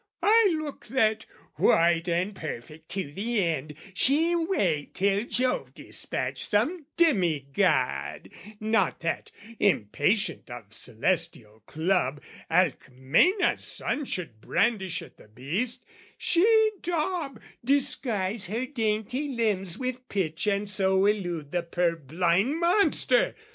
"I look that, white and perfect to the end, "She wait till Jove despatch some demigod; "Not that, impatient of celestial club "Alcmena's son should brandish at the beast, "She daub, disguise her dainty limbs with pitch, "And so elude the purblind monster!